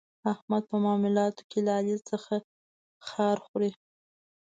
احمد په معاملاتو کې له علي څخه خار خوري.